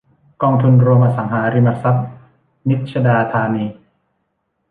กองทุนรวมอสังหาริมทรัพย์นิชดาธานี